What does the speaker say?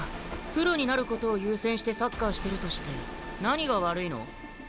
プロになることを優先してサッカーしてるとして何が悪いの？